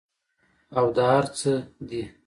او دا هر څۀ دي